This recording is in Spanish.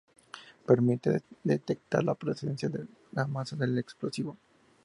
Permite detectar la presencia de masa de explosivo.